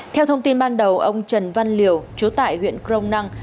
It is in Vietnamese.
theo thông tin ban đầu ông trần văn liều trú tại huyện crong năng